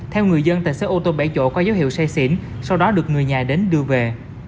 theo người dân tài xế ô tô bảy chỗ có dấu hiệu say xỉn sau đó được người nhà đến đưa về